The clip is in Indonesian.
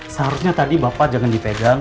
seharusnya tadi bapak jangan dipegang